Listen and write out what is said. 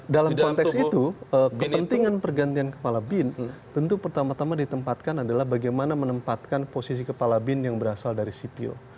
dalam konteks itu kepentingan pergantian kepala bin tentu pertama tama ditempatkan adalah bagaimana menempatkan posisi kepala bin yang berasal dari sipil